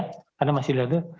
karena masih diadil